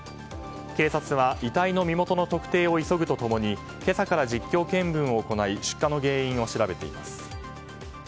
警察は、遺体の身元の特定を急ぐと共に今朝から実況見分を行い出火の原因を調べています。